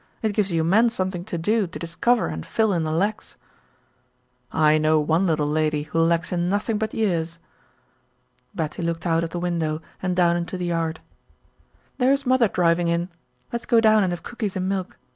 It gives you men something to do to discover and fill in the lacks." "I know one little lady who lacks in nothing but years." Betty looked out of the window and down into the yard. "There is mother driving in. Let's go down and have cookies and milk.